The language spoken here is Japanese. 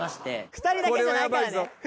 ２人だけじゃないから！